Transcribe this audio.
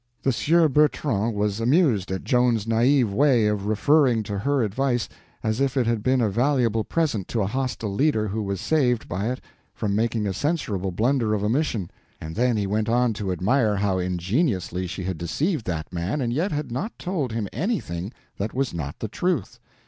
The Sieur Bertrand was amused at Joan's naive way of referring to her advice as if it had been a valuable present to a hostile leader who was saved by it from making a censurable blunder of omission, and then he went on to admire how ingeniously she had deceived that man and yet had not told him anything that was not the truth.